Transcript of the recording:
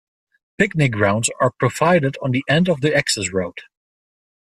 Picnic grounds are provided on the end of the access road.